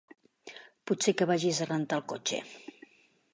Potser que vagis a rentar el cotxe.